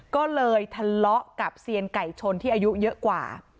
ก็เลยทะเลาะกับเซียนไก่ชนที่อายุเยอะกว่า